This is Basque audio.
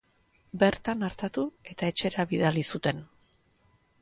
Bertan artatu eta etxera bidali zuten.